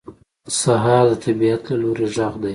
سهار د طبیعت له لوري غږ دی.